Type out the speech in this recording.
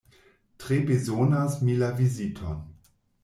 Tre bezonas mi la viziton!